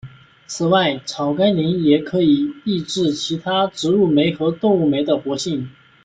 此外草甘膦也可以抑制其他植物酶和动物酶的活性。